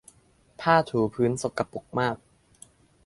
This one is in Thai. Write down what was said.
ผ้าถูพื้นสกปรกมาก